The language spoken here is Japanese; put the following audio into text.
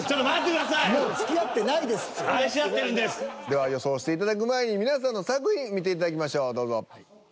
では予想していただく前に皆さんの作品見ていただきましょうどうぞ。